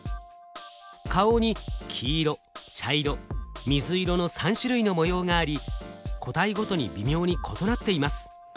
顔に黄色茶色水色の３種類の模様があり個体ごとに微妙に異なっています。